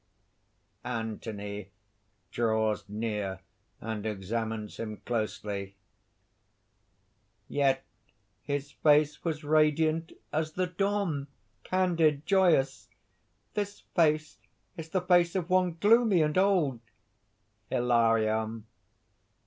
ANTHONY (draws near and examines him closely). "Yet his face was radiant as the dawn, candid, joyous. This face is the face of one gloomy and old." HILARION.